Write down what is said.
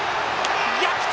逆転！